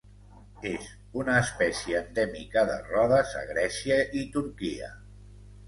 És una espècie endèmica de Rodes a Grècia i Turquia.